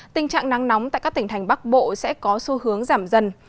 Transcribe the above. tình trạng nắng nóng tại các tỉnh thành bắc bộ sẽ có xu hướng giảm dần